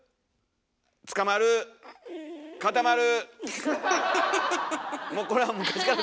つかまる固まる